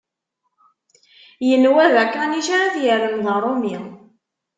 Yenwa d akanic ara t-yerren d aṛumi.